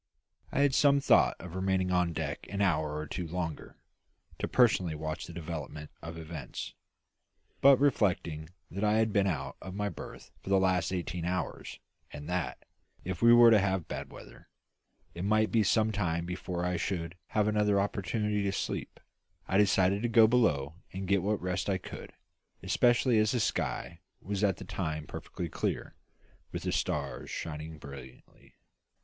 I had some thought of remaining on deck an hour or two longer, to personally watch the development of events; but reflecting that I had been out of my berth for the last eighteen hours, and that, if we were to have bad weather, it might be some time before I should have another opportunity to sleep, I decided to go below and get what rest I could, especially as the sky was at that time perfectly clear, with the stars shining brilliantly.